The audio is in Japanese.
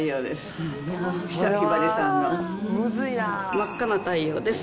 真赤な太陽です。